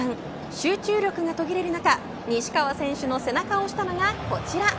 集中力が途切れる中西川選手の背中を押したのがこちら。